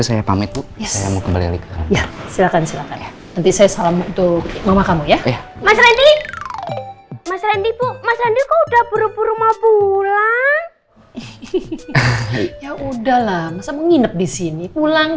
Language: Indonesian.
udah udah habis udah habis udah udah udah udah udah pulang ya pulang ya